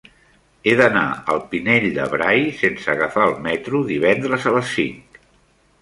He d'anar al Pinell de Brai sense agafar el metro divendres a les cinc.